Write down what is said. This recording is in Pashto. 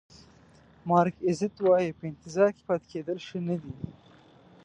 مارک ایزت وایي په انتظار کې پاتې کېدل ښه نه دي.